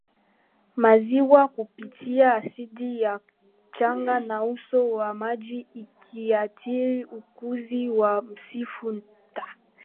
maziwa kupitia asidi ya mchanga na uso wa maji ikiathiri ukuzi wa msitu na